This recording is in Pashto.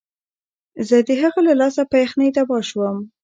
زه د هغه له لاسه په یخنۍ تباه شوم